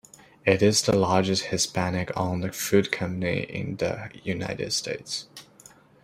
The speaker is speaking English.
It is the largest Hispanic-owned food company in the United States.